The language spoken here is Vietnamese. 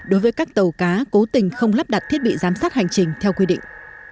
đối với các tàu cá cố tình không lắp đặt thiết bị giám sát hành trình theo quy định